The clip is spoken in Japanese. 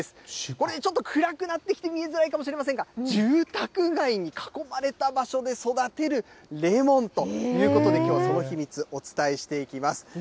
これ、ちょっと暗くなってきて見えづらいかもしれませんが、住宅街に囲まれた場所で育てるレモンということで、きょうはその秘密、お伝えしていきます。